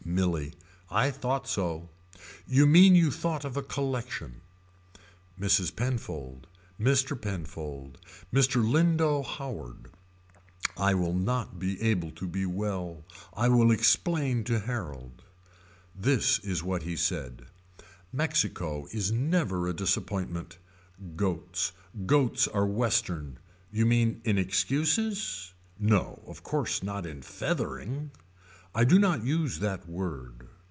Milly. I thought so. You mean you thought of a collection. Mrs. Penfold. Mr. Penfold. Mr. Lindo Howard. I will not be able to be well. I will explain to Harold. This is what he said. Mexico is never a disappointment. Goats. Goats are Western. You mean in excuses. No of course not in feathering. I do not use that word.